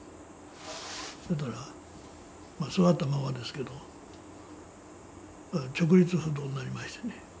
そしたら座ったままですけど直立不動になりましてね。